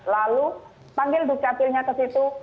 lalu panggil duk capilnya ke situ